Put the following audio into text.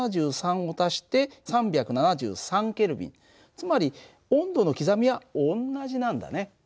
つまり温度の刻みは同じなんだね。